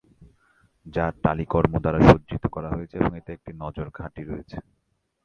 যা টালি-কর্ম দ্বারা সজ্জিত করা হয়েছে এবং এতে একটি নজর ঘাঁটি রয়েছে।